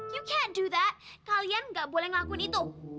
you can't do that kalian gak boleh ngelakuin itu